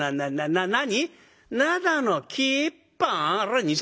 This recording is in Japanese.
「な何？